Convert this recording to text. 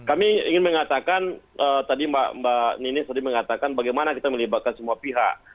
kami ingin mengatakan tadi mbak nini tadi mengatakan bagaimana kita melibatkan semua pihak